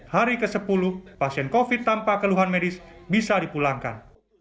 hari ke sepuluh pasien covid tanpa keluhan medis bisa dipulangkan